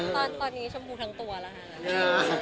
ตอนนี้ชมพูทั้งตัวแล้วค่ะ